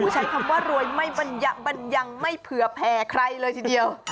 ใช้คำว่ารวยไม่บรรยะบันยังไม่เผื่อแผ่ใครเลยทีเดียว